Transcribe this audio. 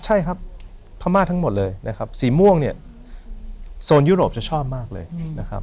ใช่ครับพม่าทั้งหมดเลยนะครับสีม่วงเนี่ยโซนยุโรปจะชอบมากเลยนะครับ